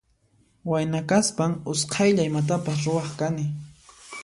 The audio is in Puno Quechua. Wayna kaspan usqaylla imatapas ruwaq kani.